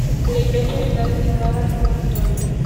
La iglesia está dedicada a san Antonio..